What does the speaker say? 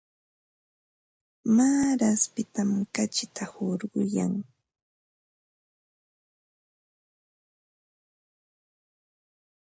Maaraspitam kachita hurquyan.